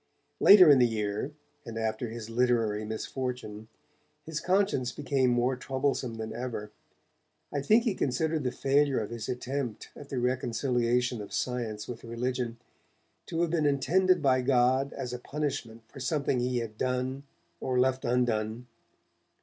Later in the year, and after his literary misfortune, his conscience became more troublesome than ever. I think he considered the failure of his attempt at the reconciliation of science with religion to have been intended by God as a punishment for something he had done or left undone.